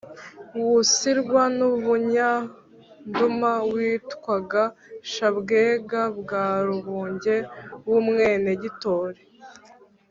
wusirwa n'umunyanduma witwaga shabwega bwa rubunge w'umwenegitoli